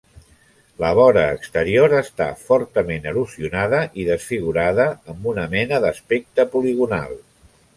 La vora exterior està fortament erosionada i desfigurada, amb una mena d'aspecte poligonal.